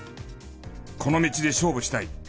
この道で勝負したい！